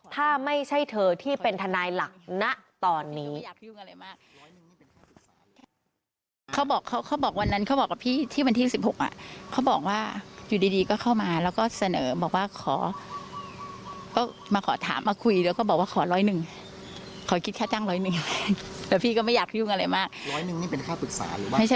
ถ้าไม่ใช่เธอที่เป็นทนายหลักณตอนนี้